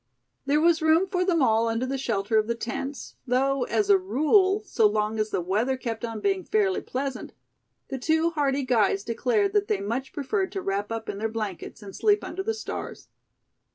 There was room for them all under the shelter of the tents, though as a rule, so long as the weather kept on being fairly pleasant, the two hardy guides declared that they much preferred to wrap up in their blankets and sleep under the stars.